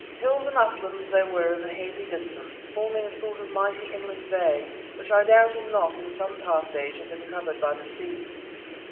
Hills and uplands there were in the hazy distance, forming a sort of mighty inland bay which I doubted not in some past age had been covered by the sea.